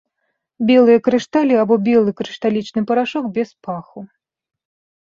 Белыя крышталі або белы крышталічны парашок без паху.